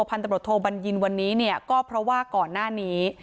พันตำรวจโทบัญญินวันนี้เนี่ยก็เพราะว่าก่อนหน้านี้